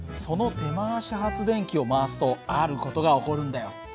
その手回し発電機を回すとある事が起こるんだよ。